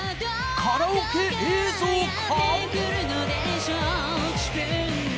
カラオケ映像か？